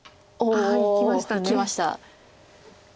あっいきましたね。